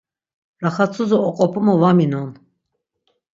Raxat̆suzi oqopumu va minon.